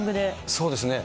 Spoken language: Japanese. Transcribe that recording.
そうですね。